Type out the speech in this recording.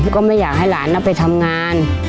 ก็ไม่อยากให้หลานไปทำงาน